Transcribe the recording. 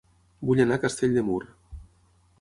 Vull anar a Castell de Mur